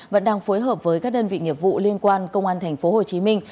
vẫn đang phối hợp với các đơn vị nghiệp vụ liên quan công an thành phố hồ chí minh